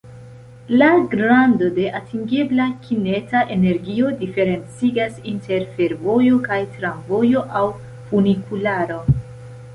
La grando de atingebla kineta energio diferencigas inter fervojo kaj tramvojo aŭ funikularo.